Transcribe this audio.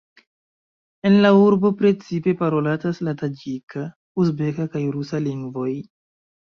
En la urbo precipe parolatas la taĝika, uzbeka kaj rusa lingvoj.